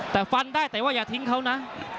แต่ฟันได้แต่ว่าอย่าทิ้งเขานะ